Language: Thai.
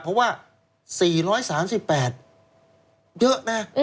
เพราะว่า๔๓๘เยอะนะ